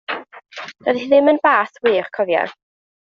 Doedd hi ddim yn bàs wych cofia.